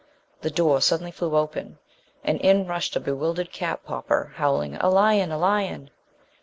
The door suddenly flew open, and in rushed a bewildered cap popper, howling "A lion, a lion!"